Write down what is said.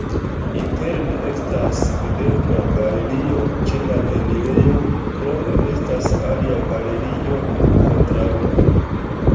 Interne estas videbla galerio ĉe la enirejo, krome estas alia galerio kontraŭe.